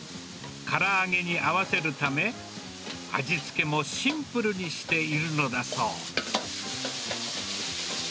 から揚げに合わせるため、味付けもシンプルにしているのだそう。